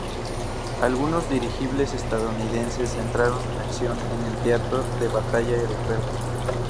Algunos dirigibles estadounidenses entraron en acción en el teatro de batalla europeo.